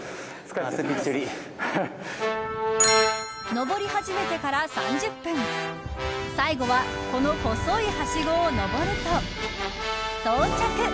上り始めてから３０分最後はこの細いはしごを上ると到着。